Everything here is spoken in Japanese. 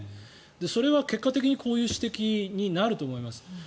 それは結果的にこういう指摘になると思います。